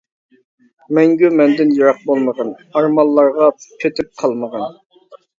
مەڭگۈ مەندىن يىراق بولمىغىن، ئارمانلارغا پېتىپ قالمىغىن.